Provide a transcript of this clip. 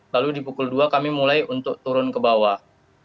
lalu di pukul dua kami mulai untuk turun ke bawah